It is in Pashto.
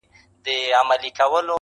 كله توري سي.